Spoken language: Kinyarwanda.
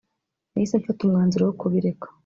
nahise mfata umwanzuro wo kubireka